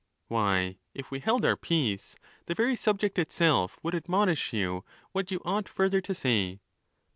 —Why, if we held our peace, the very subject itself would admonish you what you ought further to say.